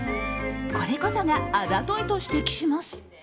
これこそがあざといと指摘します。